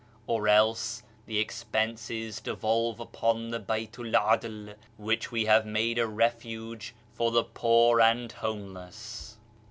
Or else the expenses devolve upon the Baltu'l 'Adl which we have made a refuge for the poor and homeless."